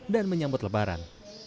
dan menyambut lebaran